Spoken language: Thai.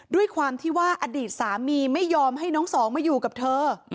ด้วยความที่ว่าอดีตสามีไม่ยอมให้น้องสองมาอยู่กับเธอ